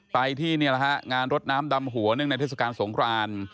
ไปที่นี่แหละฮะงานรดน้ำดำหัวเนื่องในเทศกาลสงคราน